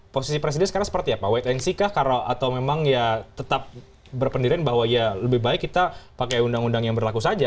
posisi presiden sekarang seperti apa white and sick ah atau memang tetap berpendirian bahwa lebih baik kita pakai undang undang yang berlaku saja